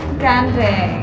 mau kemana lagi